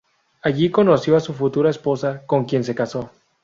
Allí conoció a su futura esposa, con quien se casó.